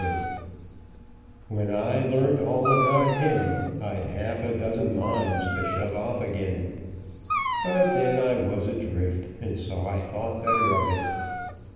When I learnt all about him, I'd half a dozen minds to shove off again, but then I was adrift, and so I thought better of it.